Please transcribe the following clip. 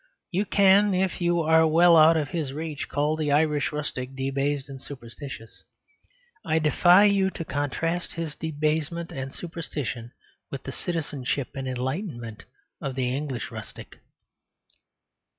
You can (if you are well out of his reach) call the Irish rustic debased and superstitious. I defy you to contrast his debasement and superstition with the citizenship and enlightenment of the English rustic.